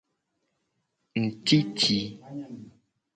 Ngtiti.